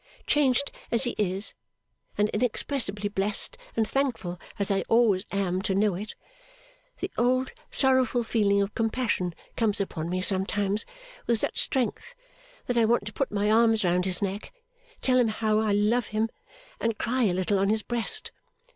Changed as he is, and inexpressibly blest and thankful as I always am to know it, the old sorrowful feeling of compassion comes upon me sometimes with such strength that I want to put my arms round his neck, tell him how I love him, and cry a little on his breast.